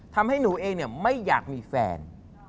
ทำให้หนูเองไม่อยากมีแฟน